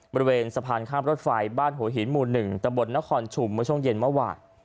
บริเวณสะพานข้ามรถไฟบ้านหัวหินหมู่๑ตำบลนครชุมเมื่อช่วงเย็นเมื่อวาน